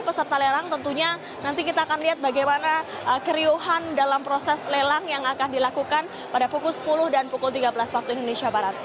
peserta lelang tentunya nanti kita akan lihat bagaimana keriuhan dalam proses lelang yang akan dilakukan pada pukul sepuluh dan pukul tiga belas waktu indonesia barat